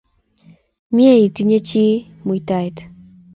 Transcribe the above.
Mye itinye chi muitaet